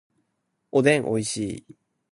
おでんおいしい